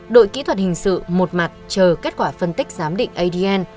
đội kỹ thuật hình sự một mặt chờ kết quả phân tích giám định adn